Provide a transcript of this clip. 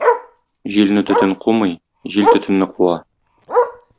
Җилне төтен кумый, җил төтенне куа.